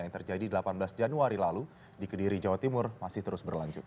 yang terjadi delapan belas januari lalu di kediri jawa timur masih terus berlanjut